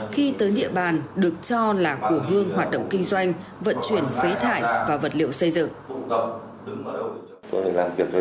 khi tới địa bàn được cho là của hương hoạt động kinh doanh vận chuyển phế thải và vật liệu xây dựng